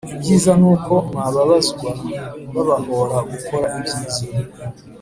Ibyiza n'uko mwababazwa babahora gukora ibyiza,